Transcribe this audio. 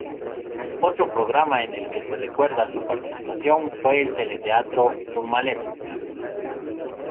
Otro programa en el que se recuerda su participación fue el teleteatro "Malevo".